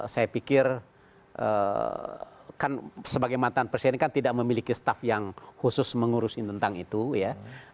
saya pikir kan sebagai mantan presiden kan tidak memiliki staff yang khusus mengurusin tentang itu ya